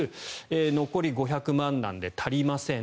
残り５００万なんで足りません。